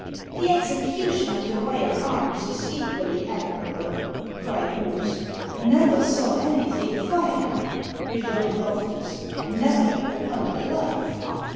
"The execution of the royal arms is equally admirable," cried Morse. "Never saw anything finer," rejoined Loftus "never, upon my life."